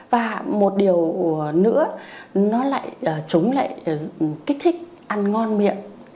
và một điều nữa chúng lại kích thích ăn ngon miệng